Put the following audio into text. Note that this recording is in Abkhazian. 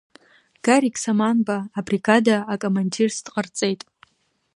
Гарик Саманба абригада акомандирс дҟарҵеит.